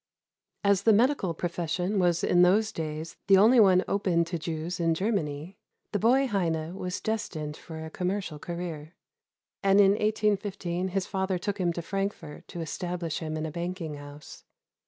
As the medical profession was in those days the only one open to Jews in Germany, the boy Heine was destined for a commercial career; and in 1815 his father took him to Frankfort to establish him in a banking house.